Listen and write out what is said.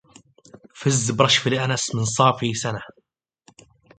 فز برشف الانس من صافي سنا